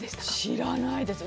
知らないです。